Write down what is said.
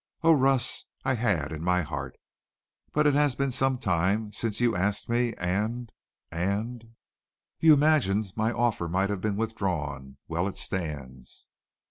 "Oh, Russ, I had in my heart! But it has been some time since you asked me and and " "You imagined my offer might have been withdrawn. Well, it stands."